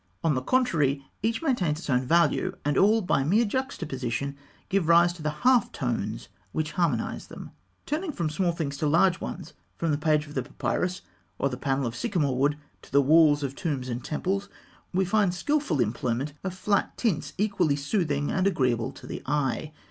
On the contrary, each maintains its own value, and all, by mere juxtaposition, give rise to the half tones which harmonise them. Turning from small things to large ones, from the page of papyrus, or the panel of sycamore wood, to the walls of tombs and temples, we find the skilful employment of flat tints equally soothing and agreeable to the eye.